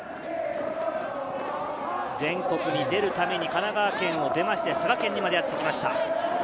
全国に出るために神奈川県を出て、佐賀県にまでやってきました。